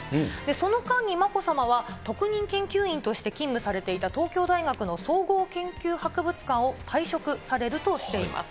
その間にまこさまは、特任研究員として勤務されていた東京大学の総合研究博物館を退職されるとしています。